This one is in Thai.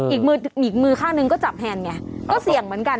อีกมือข้างหนึ่งก็จับแฮนไงก็เสี่ยงเหมือนกันอะ